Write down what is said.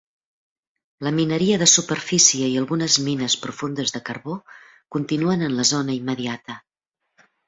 La mineria de superfície i algunes mines profundes de carbó continuen en la zona immediata.